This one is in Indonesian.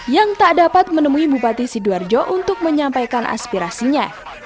yang tak dapat menemui bupati sidoarjo untuk menyampaikan aspirasinya